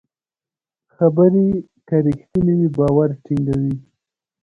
خبرې که رښتینې وي، باور ټینګوي.